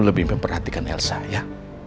lebih memperhatikan elsa ya